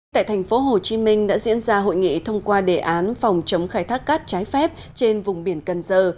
tại tp hcm đã diễn ra hội nghị thông qua đề án phòng chống khai thác cát trái phép trên vùng biển cần giờ